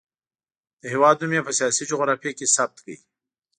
د هېواد نوم یې په سیاسي جغرافیه کې ثبت کړ.